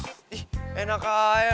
ih enak aja